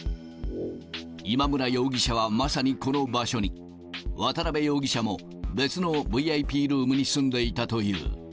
今村容疑者はまさにこの場所に、渡辺容疑者も別のＶＩＰルームに住んでいたという。